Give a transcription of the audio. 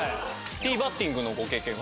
ティーバッティングのご経験は？